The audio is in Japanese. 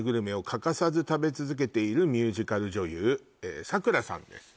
「欠かさず食べ続けているミュージカル女優」咲良さんです